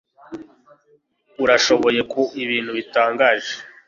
Urashoboye ku ibintu bitangaje.